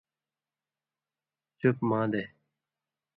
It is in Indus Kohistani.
چُپ مادے